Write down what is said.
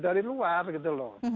dari luar gitu loh